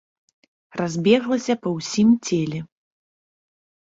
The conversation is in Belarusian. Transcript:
Разбеглася па ўсім целе.